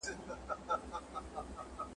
بیا په خپل مدارکي نه سي ګرځېدلای !.